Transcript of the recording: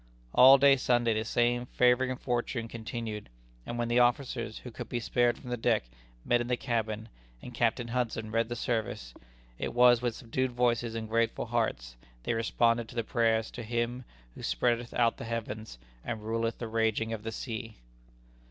All day Sunday the same favoring fortune continued; and when the officers, who could be spared from the deck, met in the cabin, and Captain Hudson read the service, it was with subdued voices and grateful hearts they responded to the prayers to Him who spreadeth out the heavens, and ruleth the raging of the sea.